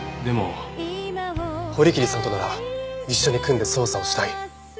でも堀切さんとなら一緒に組んで捜査をしたい。